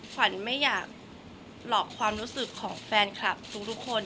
ขวัญไม่อยากหลอกความรู้สึกของแฟนคลับทุกคน